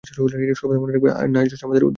সর্বদা মনে রাখবে, নামযশ আমাদের উদ্দেশ্য নয়।